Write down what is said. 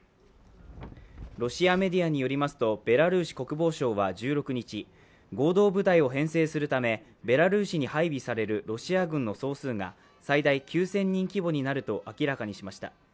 ロシアメディアによりますと、ベラルーシ国防省は１６日、合同部隊を編成するため、ベラルーシに配備されるロシア軍の総数が最大９０００人規模になると明らかにしました。